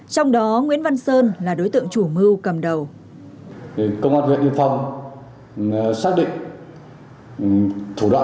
trong đó nguyễn văn sơn là đối tượng chủ mưu cầm đầu